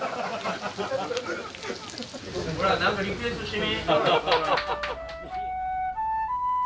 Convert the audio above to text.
ほら何かリクエストしてみ。